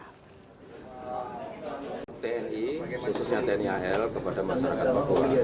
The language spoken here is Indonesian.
tni khususnya tni al kepada masyarakat papua